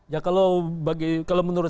ya kalau menurut saya sih sebetulnya sih pindah itu